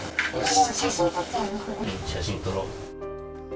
うん、写真撮ろう。